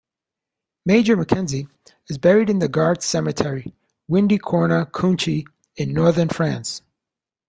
Major Mackenzie is buried in the Guards Cemetery, Windy Corner, Cuinchy, in Northern France.